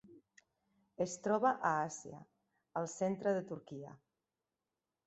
Es troba a Àsia: el centre de Turquia.